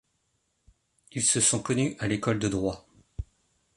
Ils se sont connus à l'école de Droit.